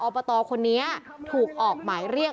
อบตคนนี้ถูกออกหมายเรียก